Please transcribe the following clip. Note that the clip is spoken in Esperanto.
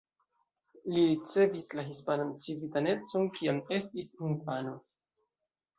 Li ricevis la hispanan civitanecon kiam estis infano.